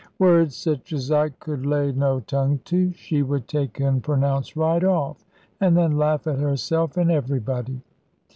Words such as I could lay no tongue to, she would take and pronounce right off, and then laugh at herself and everybody.